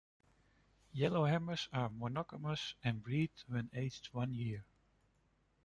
Yellowhammers are monogamous and breed when aged one year.